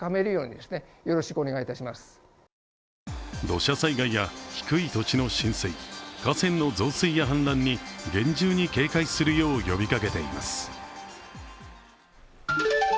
土砂災害や低い土地の浸水、河川の増水や氾濫に厳重に警戒するよう呼びかけています。